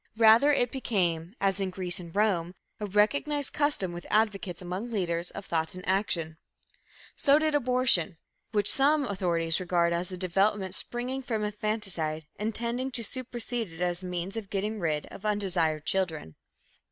Rather, it became, as in Greece and Rome, a recognized custom with advocates among leaders of thought and action. So did abortion, which some authorities regard as a development springing from infanticide and tending to supersede it as a means of getting rid of undesired children.